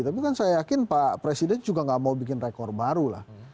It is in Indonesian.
tapi kan saya yakin pak presiden juga gak mau bikin rekor baru lah